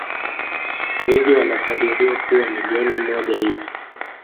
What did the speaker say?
Wengi wanakadiriwa kuwa milioni moja hivi